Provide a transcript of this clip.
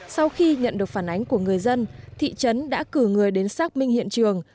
sau khi nhận được phản ánh của người dân thị trấn đã cử người đến xác minh hiện trường